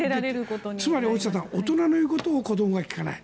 つまり、大下さん大人の言うことを子どもが聞かない。